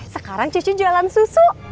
sekarang cucu jualan susu